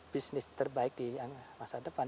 bisnis terbaik di masa depan